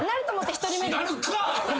なるか！